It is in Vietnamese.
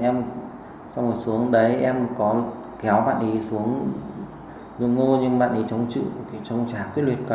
em xong rồi xuống đấy em có kéo bạn ấy xuống rụng ngô nhưng bạn ấy chống chữ chống chả quyết luyệt quá